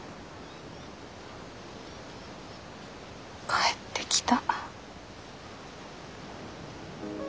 帰ってきた。